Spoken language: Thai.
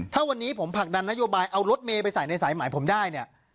ถ้าวันนี้ผมผลักดันนโยบายเอารถเมย์ไปใส่ในสายหมายผมได้เนี่ย